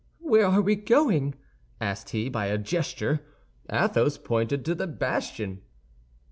"Where are we going?" asked he, by a gesture. Athos pointed to the bastion.